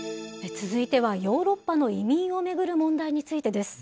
続いてはヨーロッパの移民を巡る問題についてです。